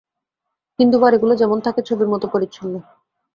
হিন্দু বাড়িগুলো যেমন থাকে, ছবির মতো পরিচ্ছন্ন।